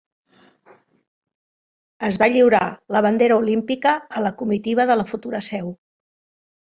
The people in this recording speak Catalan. Es va lliurar la bandera olímpica a la comitiva de la futura seu.